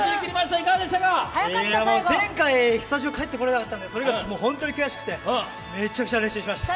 前回スタジオ帰って来れなかったんで、それがめちゃくちゃ悔しくてめちゃくちゃ練習しました。